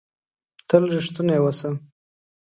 تل ریښتونی اووسه!